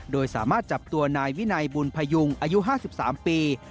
โดยสามารถจับตัวนายวินัยบุญพยุงอายุ๕๓ปี